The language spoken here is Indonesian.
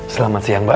selamat siang mbak